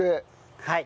はい。